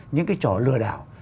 những cái trò lừa đảo